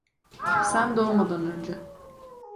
Sen doğmadan önce.